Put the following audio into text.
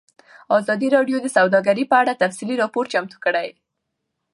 ازادي راډیو د سوداګري په اړه تفصیلي راپور چمتو کړی.